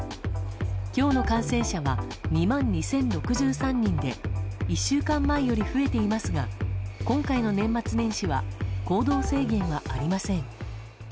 今日の感染者は２万２０６３人で１週間前より増えていますが今回の年末年始は行動制限はありません。